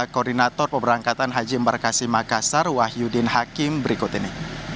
koordinator pemberangkatan haji embarkasi makassar wahyudin hakim berikut ini